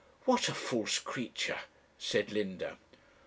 'What a false creature!' said Linda.